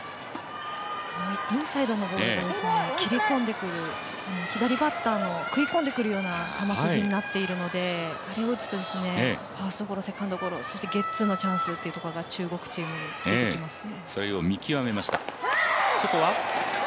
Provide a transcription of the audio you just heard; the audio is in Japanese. インサイドのボール切り込んでくる左バッターの食い込んでくるような球筋になっているのであれを打つとファーストゴロ、セカンドゴロそしてゲッツーのチャンスというところが中国チームに出てきますね。